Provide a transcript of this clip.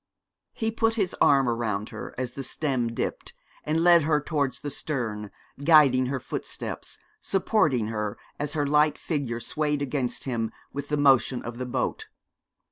He put his arm round her as the stem dipped, and led her towards the stern, guiding her footsteps, supporting her as her light figure swayed against him with the motion of the boat.